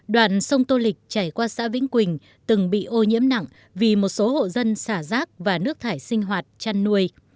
đoạn sông tô lịch chảy qua xã vĩnh quỳnh từng bị ô nhiễm nặng vì một số hộ dân xả rác và nước thải sinh hoạt chăn nuôi